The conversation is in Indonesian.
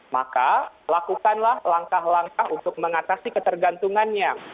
maka lakukanlah langkah langkah untuk mengatasi ketergantungannya